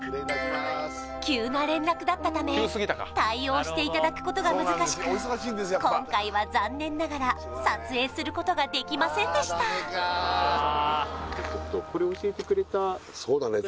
急な連絡だったため対応していただくことが難しく今回は残念ながら撮影することができませんでしたそうだね